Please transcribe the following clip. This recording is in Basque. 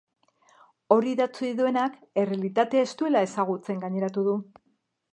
Hori idatzi duenak errealitatea ez duela ezagutzen gaineratu du.